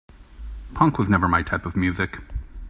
Punk was never my type of music.